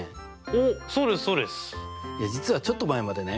実はちょっと前までね